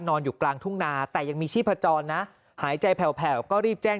อยู่กลางทุ่งนาแต่ยังมีชีพจรนะหายใจแผ่วก็รีบแจ้ง